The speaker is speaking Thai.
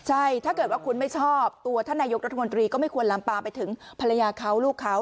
ใช่ถ้าเกิดว่าคุณไม่ชอบตัวท่านนายกรัฐมนตรีก็ไม่ควรลำปามไปถึงภรรยาเขาลูกเขา